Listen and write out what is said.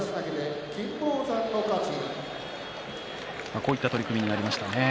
こういった取組になりましたね。